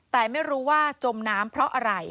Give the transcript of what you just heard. แต่ไม่รู้ว่าจมน้ำเพราะอะไร